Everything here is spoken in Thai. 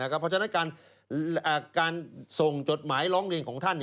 เพราะฉะนั้นการส่งจดหมายร้องเรียนของท่าน